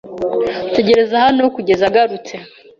Tegereza hano kugeza agarutse.